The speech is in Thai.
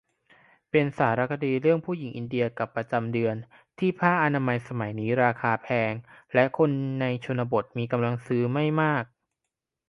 เป็นสารคดีเรื่องผู้หญิงอินเดียกับประจำเดือน ที่ผ้าอนามัยสมัยนี้ราคาแพงและคนในชนบทมีกำลังซื้อไม่มาก